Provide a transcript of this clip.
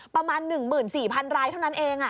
ประมาณ๑๔๐๐รายเท่านั้นเอง